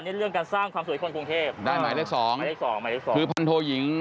เน้นเรื่องการสร้างความสวยความกรุงเทศได้หมายเลข๒หมายเลข๒คือพันโทหญิง